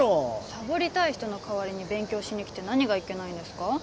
サボりたい人の代わりに勉強しに来て何がいけないんですか？